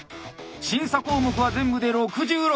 審査項目は全部で６６。